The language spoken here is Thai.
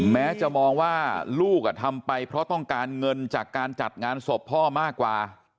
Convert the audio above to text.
แม้จะมองว่าลูกทำไปเพราะต้องการเงินจากการจัดงานศพพ่อมากกว่า